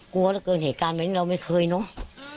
กลัวเหนื่อยเกินเศษการไหมเราไม่เคยเนอะอืม